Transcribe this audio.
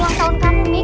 waktu itu aku kurang sih